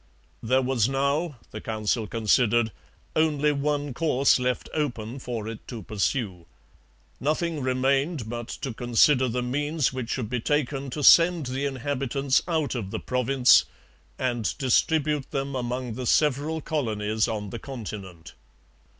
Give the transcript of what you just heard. There was now, the Council considered, only one course left open for it to pursue. Nothing remained but to consider the means which should be taken to send the inhabitants out of the province, and distribute them among the several colonies on the continent.